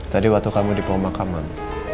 tadi waktu kamu di pemakaman